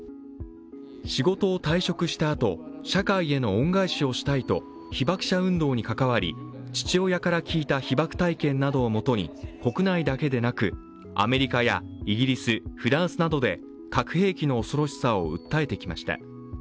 仕事を退職したあと社会への恩返しをしたいと被爆者運動に関わり父親から聞いた被爆体験などをもとに、国内だけでなく、アメリカ、イギリス、フランスなどで核兵器の恐ろしさを訴えてきました。